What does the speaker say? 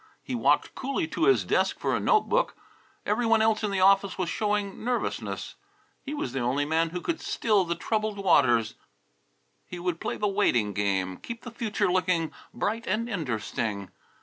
He walked coolly to his desk for a note book. Every one else in the office was showing nervousness. He was the only man who could still the troubled waters. He would play the waiting game; keep the future looking "bright and interesting."